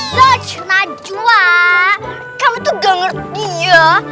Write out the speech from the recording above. coach najwa kamu tuh gak ngerti ya